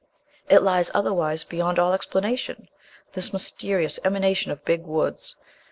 It lies otherwise beyond all explanation, this mysterious emanation of big woods.